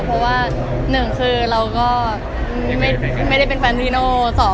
เพราะว่า๑เราก็ไม่ได้เป็นแฟนพี่โน่